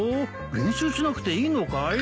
練習しなくていいのかい？